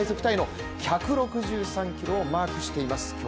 タイの１６３キロをマークしています。